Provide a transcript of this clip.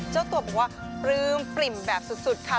เจ้าตัวบอกว่าปลื้มปริ่มแบบสุดค่ะ